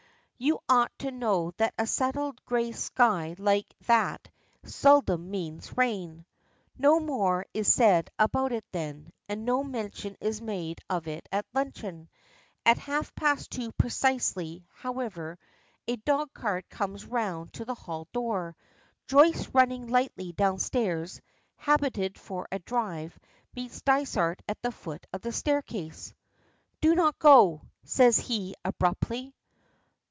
"You ought to know that a settled gray sky like that seldom means rain." No more is said about it then, and no mention is made of it at luncheon. At half past two precisely, however, a dog cart comes round to the hall door. Joyce running lightly down stairs, habited for a drive, meets Dysart at the foot of the staircase. "Do not go," says he abruptly.